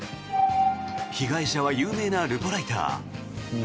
被害者は有名なルポライター。